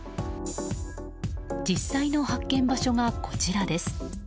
実際の発見場所がこちらです。